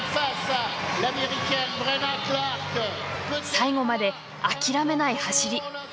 最後まで諦めない走り。